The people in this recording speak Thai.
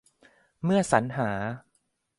เมื่อสรรหา